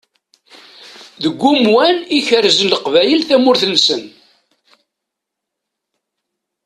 Deg umwan i kerzen Leqbayel tamurt-nsen.